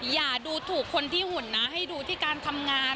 อย่าดูถูกคนที่หุ่นนะให้ดูที่การทำงาน